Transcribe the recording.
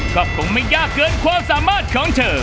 ก็คงไม่ยากเกินความสามารถของเธอ